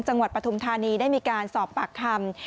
จังหวัดปัฐุมธานีได้มีการสอบปากคำ